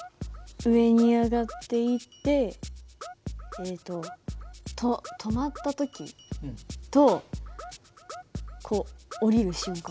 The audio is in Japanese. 上に上がっていってえっとと止まった時とこう下りる瞬間？